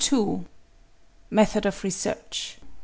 Method of Research.